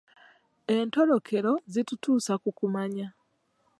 Entolokero ezitutuusa ku kumanya